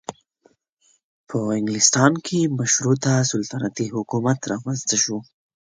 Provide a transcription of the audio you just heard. په انګلستان کې مشروطه سلطنتي حکومت رامنځته شو.